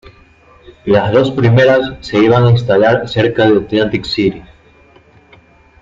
Las dos primeras se iban a instalar cerca de Atlantic City.